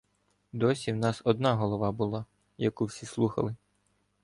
Досі в нас одна голова була, яку всі слухали.